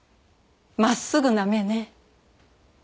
真っすぐな目ね。